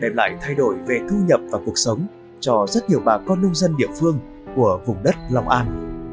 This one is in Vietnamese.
đem lại thay đổi về thu nhập và cuộc sống cho rất nhiều bà con nông dân địa phương của vùng đất long an